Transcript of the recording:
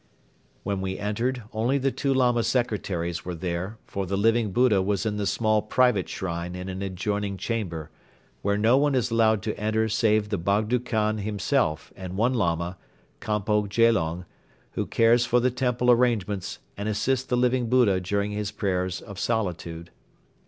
When we entered, only the two Lama secretaries were there, for the Living Buddha was in the small private shrine in an adjoining chamber, where no one is allowed to enter save the Bogdo Khan himself and one Lama, Kanpo Gelong, who cares for the temple arrangements and assists the Living Buddha during his prayers of solitude.